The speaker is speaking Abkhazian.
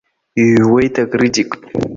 Иҩуеит акритик.